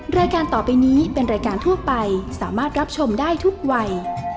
รายการต่อไปนี้เป็นรายการทั่วไปสามารถรับชมได้ทุกวัย